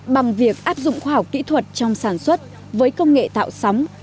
bằng việc áp dụng khoa học kỹ thuật trong sản xuất với công nghệ tạo sóng